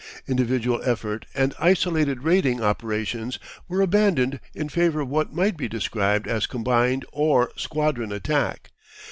Individual effort and isolated raiding operations were abandoned in favour of what might be described as combined or squadron attack.